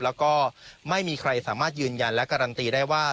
แล้วก็ไม่มีใครสามารถยืนยันและการันตีได้ว่า